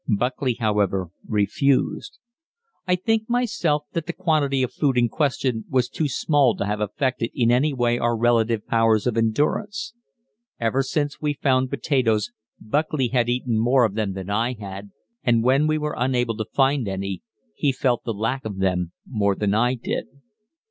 Buckley, however, refused. I think myself that the quantity of food in question was too small to have affected in any way our relative powers of endurance. Ever since we found potatoes Buckley had eaten more of them than I had, and when we were unable to find any, he felt the lack of them more than I did.